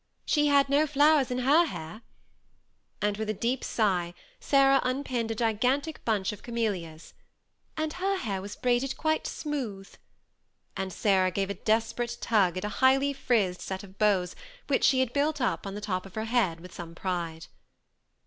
" She had no flowers in her hair," and, with a deep sigh, Sa rah unpinned a gigantic bunch of camellias, ^^ and her hair was braided quite smooth;" and Sarah gave a 46 THE SEMI ATTACHED COUPLE. desperate tug at a highly frizzed set of bows which she had built up on the top of her head with some pride.